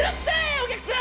お客さん。